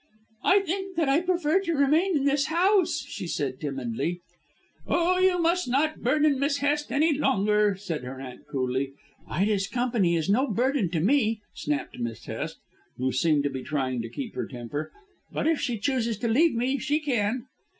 "I think that I prefer to remain in this house," she said timidly. "Oh, you must not burden Miss Hest any longer," said her aunt coolly. "Ida's company is no burden to me," snapped Miss Hest, who seemed to be trying to keep her temper, "but if she chooses to leave me, she can."